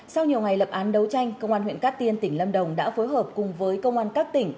sau nhiều ngày lập án đấu tranh công an huyện cát tiên tỉnh lâm đồng đã phối hợp cùng với công an các tỉnh